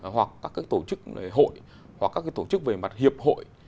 hoặc các tổ chức hội hoặc các tổ chức về mặt hiệp hội